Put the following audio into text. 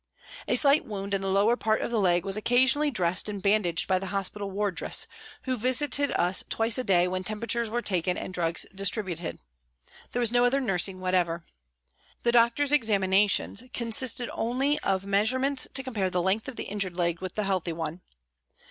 A slight wound in the lower part of the leg was occasionally dressed and bandaged by the hospital wardress, who visited us twice a day when temperatures were taken and drugs distributed. There was no other nursing whatever. The doctor's examinations consisted only of measure ments to compare the length of the injured leg with the healthy one.